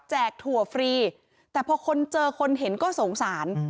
ถั่วฟรีแต่พอคนเจอคนเห็นก็สงสาร